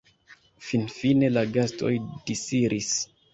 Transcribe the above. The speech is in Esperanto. Finfine la gastoj disiris.